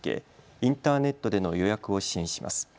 インターネットでの予約を支援します。